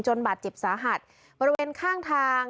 บาดเจ็บสาหัสบริเวณข้างทาง